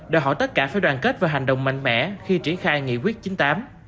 đòi hỏi tất cả phải đoàn kết và hành động mạnh mẽ khi triển khai nghị quyết chín mươi tám